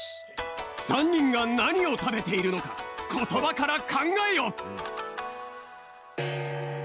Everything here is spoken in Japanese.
３にんがなにをたべているのかことばからかんがえよ！